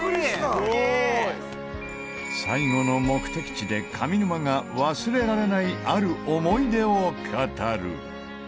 すごい！最後の目的地で上沼が忘れられないある思い出を語る。